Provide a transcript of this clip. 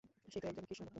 সে তো একজন কৃষ্ণভক্ত।